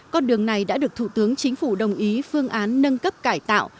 con đường này đã được thủ tướng chính phủ đồng ý phương án nâng cấp cải tạo